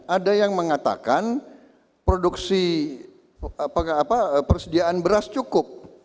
ada yang mengatakan produksi persediaan beras cukup